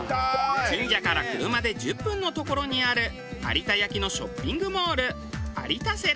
神社から車で１０分の所にある有田焼のショッピングモールアリタセラ。